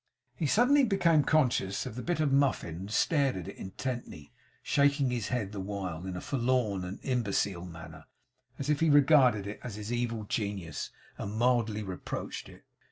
He suddenly became conscious of the bit of muffin, and stared at it intently; shaking his head the while, in a forlorn and imbecile manner, as if he regarded it as his evil genius, and mildly reproached it.